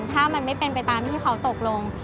ถ้ามันไม่เป็นไปตามที่เขาตกลง